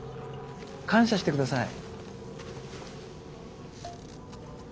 感謝してください。